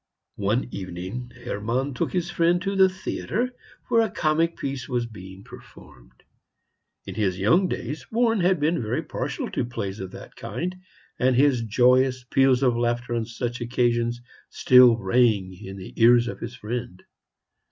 One evening Hermann took his friend to the theatre, where a comic piece was being performed. In his young days Warren had been very partial to plays of that kind, and his joyous peals of laughter on such occasions still rang in the ears of his friend.